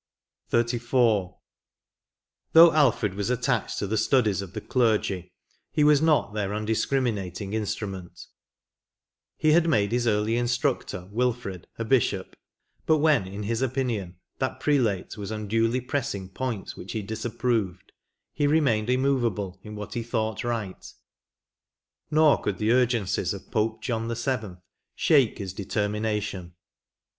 F 2 68 XXXIV. " Though Alfred was attached to the studies of the clergy, he was not their undiscrimiDating instru ment. He had made his early instructor, Wilfred, a hidhop ; hut when, in his opinion, that prelate was unduly pressing points which he disapproved, he remained immovahle in what he thought right ; nor could the urgencies of Pope John VII. shake his determination.